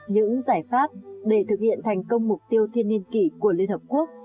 những giải pháp để thực hiện thành công mục tiêu thiên niên kỷ của liên hợp quốc